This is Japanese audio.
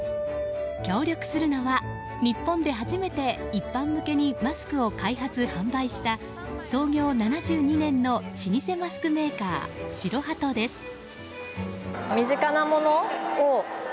協力するのは日本で初めて一般向けにマスクを開発・販売した創業７２年の老舗マスクメーカー白鳩です。